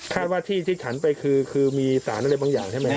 ว่าที่ที่ฉันไปคือมีสารอะไรบางอย่างใช่ไหมครับ